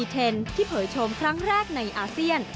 เทรนด์ที่เผยชมครั้งแรกในอาเซียน